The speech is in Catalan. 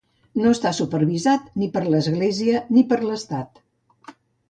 No està supervisat ni per l'Església ni per l'Estat.